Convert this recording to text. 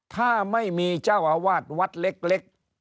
ถ้าไม่มีเจ้าอาวาสวัดเล็ก